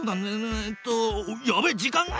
えっとやばい時間がない！